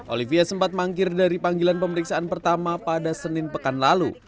olivia sempat mangkir dari panggilan pemeriksaan pertama pada senin pekan lalu